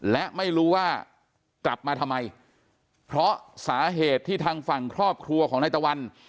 และไม่รู้ว่ากลับมาทำไมเพราะสาเหตุที่ทางฝั่งครอบครัวของนายตะวัน